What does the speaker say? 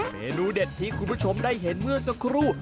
เมนูเด็ดที่คุณผู้ชมได้เห็นเมื่อสักครู่